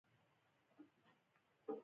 غوماشې ډېر ژر تولیدېږي.